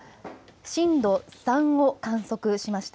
震度３を観測しました。